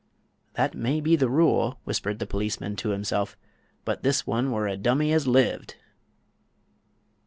"That may be the rule," whispered the policeman to himself, "but this one were a dummy as lived!"